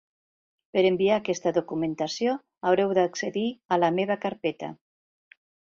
Per enviar aquesta documentació haureu d'accedir a la Meva carpeta.